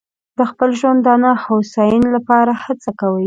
د خپل ژوندانه د هوساینې لپاره هڅې کوي.